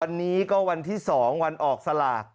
วันนี้ก็วันที่๒วันออกสลาก